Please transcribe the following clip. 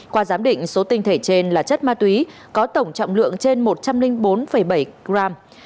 qua giám định số tinh thể trên là chất ma túy có tổng trọng lượng trên một trăm linh bốn bảy gram